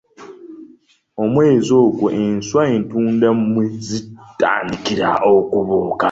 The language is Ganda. Omwezi ogwo enswa entunda mwe zitandikira okubuuka